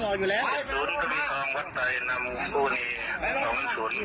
น้ำต่อมาต้อง